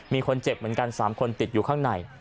มีคนเจ็บเหมือนกัน๓คนติดอยู่ข้างใน